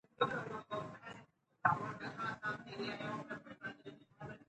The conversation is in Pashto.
که ماډل وي نو شکل نه هېریږي.